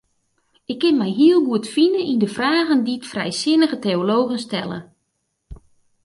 Ik kin my heel goed fine yn de fragen dy't frijsinnige teologen stelle.